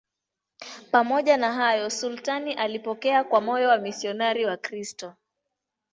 Pamoja na hayo, sultani alipokea kwa moyo wamisionari Wakristo.